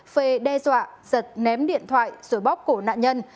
phê đe dọa giật ném điện thoại rồi bóc cổ nạn nhân